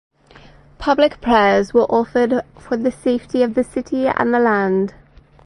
Public prayers were offered for the safety of the city and the land.